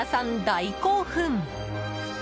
大興奮！